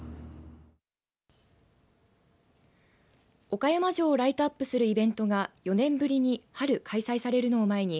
岡山城をライトアップするイベントが４年ぶりに春、開催されるのを前に